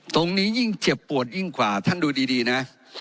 ยิ่งเจ็บปวดยิ่งกว่าท่านดูดีนะ